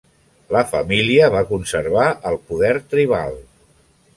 La família va conservar el poder tribal.